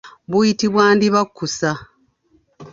Buyitibwa ndibakkusa.